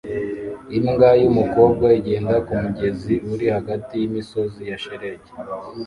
Imbwa yumukobwa igenda kumugezi uri hagati yimisozi ya shelegi